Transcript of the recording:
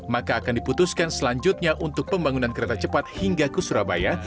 maka akan diputuskan selanjutnya untuk pembangunan kereta cepat hingga ke surabaya